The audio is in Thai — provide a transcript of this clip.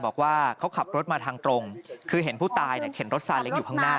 บอกว่าเขาขับรถมาทางตรงคือเห็นผู้ตายเนี่ยเข็นรถซาเล้งอยู่ข้างหน้า